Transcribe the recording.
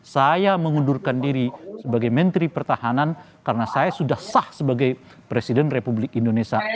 saya mengundurkan diri sebagai menteri pertahanan karena saya sudah sah sebagai presiden republik indonesia